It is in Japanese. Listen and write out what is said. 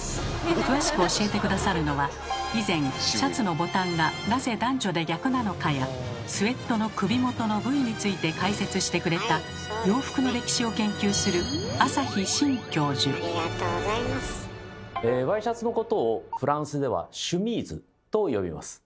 詳しく教えて下さるのは以前「シャツのボタンがなぜ男女で逆なのか？」や「スウェットの首元のＶ」について解説してくれた洋服の歴史を研究するワイシャツのことをフランスでは「シュミーズ」と呼びます。